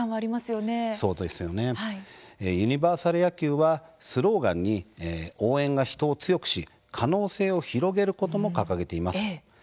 ユニバーサル野球はスローガンに応援が人を強くし可能性を広げることを掲げています。